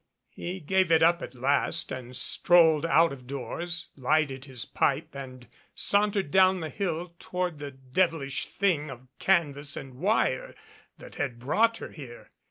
He gave it up at last and strolled out of doors lighted his pipe and sauntered down the hill toward the devilish thing of canvas and wire that had brought her here.